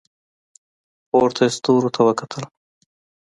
پورته یې ستوري ته وکتل.